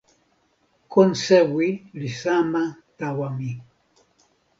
kon sewi li sama tawa mi.